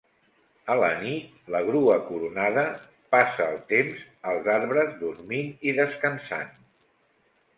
A la nit, la grua coronada passa el temps als arbres dormint i descansant.